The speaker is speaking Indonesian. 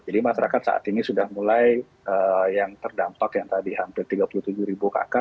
masyarakat saat ini sudah mulai yang terdampak yang tadi hampir tiga puluh tujuh ribu kakak